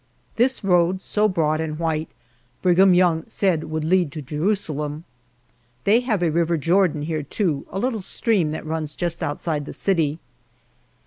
This road, so broad and white, Brigham Young said would lead to Jerusalem. They have a river Jordan here, too, a little stream that runs just outside the city.